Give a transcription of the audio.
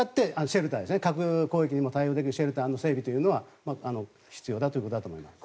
核攻撃にも対応できるシェルターの整備というのは必要だということだと思います。